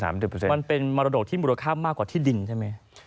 มันเป็นมรดกที่มูลค่ามากกว่าที่ดินใช่ไหม